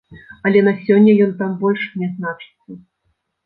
Але на сёння ён там больш не значыцца.